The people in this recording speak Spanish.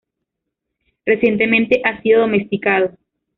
Recientemente ha sido domesticado.